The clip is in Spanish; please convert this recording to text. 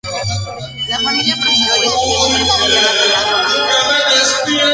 La familia prosperó y adquirió numerosas tierras en la zona.